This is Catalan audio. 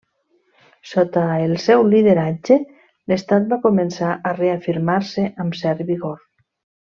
Sota el seu lideratge, l'estat va començar a reafirmar-se amb cert vigor.